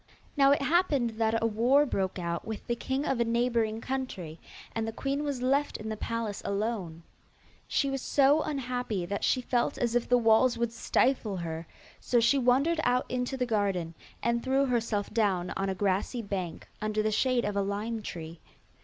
Now it happened that a war broke out with the king of a neighbouring country, and the queen was left in the palace alone. She was so unhappy that she felt as if the walls would stifle her, so she wandered out into the garden, and threw herself down on a grassy bank, under the shade of a lime tree.